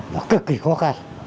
và cực kỳ khó khăn